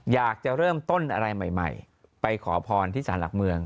อยากจะเริ่มต้นอะไรใหม่ไปขอพรที่สารหลักเมือง